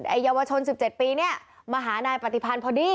เยาวชน๑๗ปีเนี่ยมาหานายปฏิพันธ์พอดี